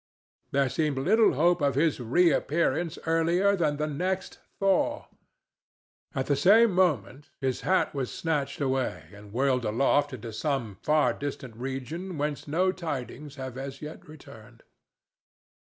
There seemed little hope of his reappearance earlier than the next thaw. At the same moment his hat was snatched away and whirled aloft into some far distant region whence no tidings have as yet returned.